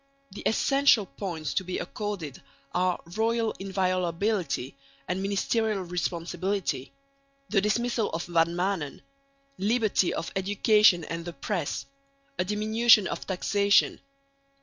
The essential points to be accorded are royal inviolability and ministerial responsibility; the dismissal of Van Maanen; liberty of education and the press; a diminution of taxation